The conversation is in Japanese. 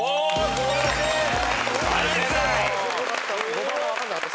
５番は分かんなかった。